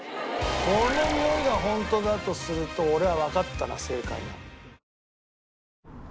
このにおいがホントだとすると俺はわかったな正解が。